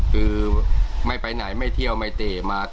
คือไม่ไปไหนไม่เที่ยวไม่เตะมา